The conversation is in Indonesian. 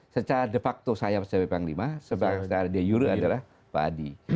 secara de facto saya menjadi panglima sebab secara di yuri adalah pak adi